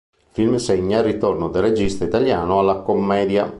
Il film segna il ritorno del regista italiano alla commedia.